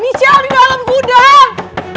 michelle di dalam kudang